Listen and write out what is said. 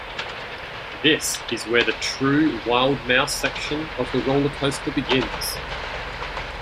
This is where the true wild mouse section of the roller coaster begins.